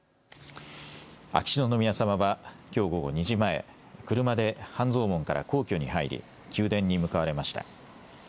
秋篠宮さまはきょう午後２時前、車で半蔵門から皇居に入り宮殿に向かわれました。